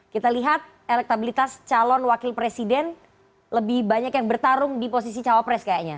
kita lihat elektabilitas calon wakil presiden lebih banyak yang bertarung di posisi cawapres kayaknya